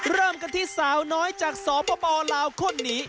เริ่มกันที่สาวน้อยจากสปลาวคนนี้